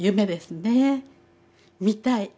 見たい。